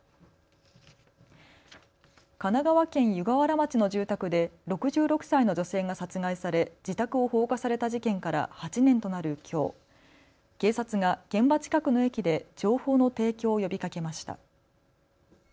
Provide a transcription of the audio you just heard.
神奈川県湯河原町の住宅で６６歳の女性が殺害され自宅を放火された事件から８年となるきょう警察が現場近くの駅で情報の提供を呼びかけました。